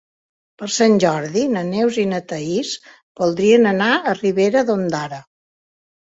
Per Sant Jordi na Neus i na Thaís voldrien anar a Ribera d'Ondara.